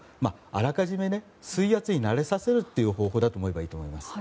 あらかじめ水圧に慣れさせるという方法だと思えばいいと思います。